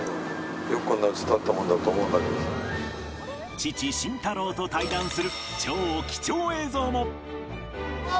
父慎太郎と対談する超貴重映像も！